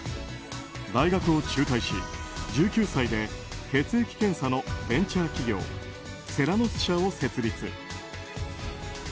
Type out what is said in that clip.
大学を中退し、１９歳で血液検査のベンチャー企業セラノス社を設立。